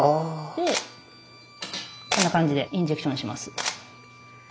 でこんな感じでインジェクションします。